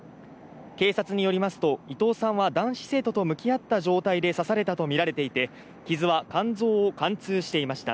警察によりますと伊藤さんは男子生徒と向き合った状態で刺されたとみられていて傷は肝臓を貫通していました。